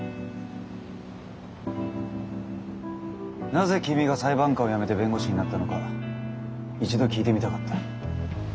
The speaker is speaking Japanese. なぜ君が裁判官を辞めて弁護士になったのか一度聞いてみたかった。